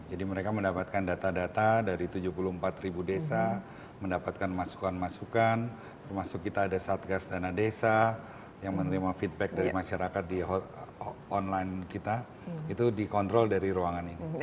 jadi mereka mendapatkan data data dari tujuh puluh empat desa mendapatkan masukan masukan termasuk kita ada satgas dana desa yang menerima feedback dari masyarakat di online kita itu dikontrol dari ruangan ini